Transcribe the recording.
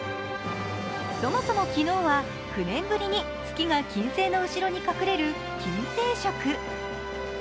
そもそも昨日は９年ぶりに月が金星の後ろに隠れる金星食。